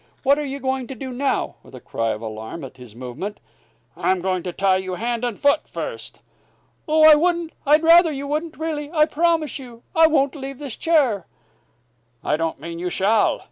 What are you going to do now?" with a cry of alarm at his movement. "I'm going to tie you hand and foot first " "Oh, I wouldn't! I'd rather you wouldn't really! I promise you I won't leave this chair " "I don't mean you shall."